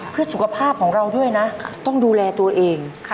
เพื่อสุขภาพของเราด้วยนะต้องดูแลตัวเอง